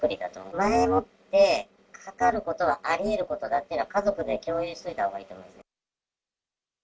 前もってかかることはありえることだっていうのは、家族で共有しておいたほうがいいと思うんですよ。